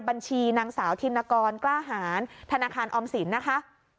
บัญชีนางสาวธินกรกล้าหารธนาคารออมสินนะคะ